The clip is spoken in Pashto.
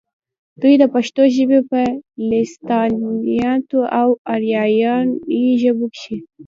دوي د پښتو ژبې پۀ لسانياتو او اريائي ژبو کښې